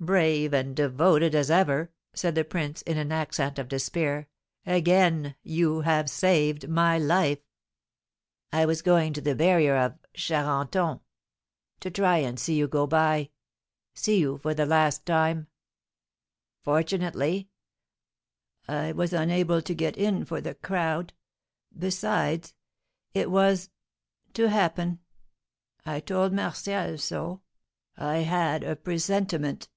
"Brave and devoted as ever!" said the prince, in an accent of despair. "Again you have saved my life!" "I was going to the barrier of Charenton to try and see you go by see you for the last time. Fortunately I was unable to get in for the crowd besides it was to happen I told Martial so I had a presentiment."